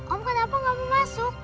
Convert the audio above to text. om kenapa gak mau masuk